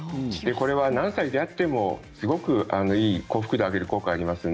これは何歳であってもすごく、幸福度を上げる効果があります。